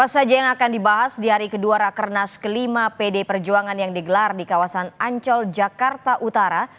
apa saja yang akan dibahas di hari kedua rakernas kelima pd perjuangan yang digelar di kawasan ancol jakarta utara